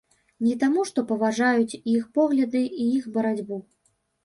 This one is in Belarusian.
Не таму, што паважаюць іх погляды і іх барацьбу.